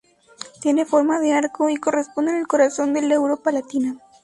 Tiene forma de arco y se corresponde con el corazón de la Europa latina.